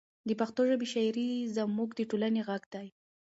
د پښتو ژبې شاعري زموږ د ټولنې غږ دی.